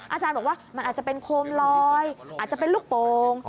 อาจารย์บอกว่ามันอาจจะเป็นโคมลอยอาจจะเป็นลูกโป่ง